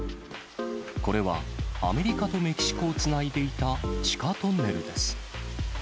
これは、アメリカとメキシコをつないでいた地下トンネルです。